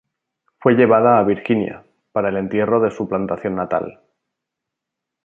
Fue llevada a Virginia para el entierro en su plantación natal.